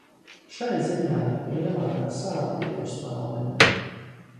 Šai ziņā lielākā sāpe ir par Spāniju.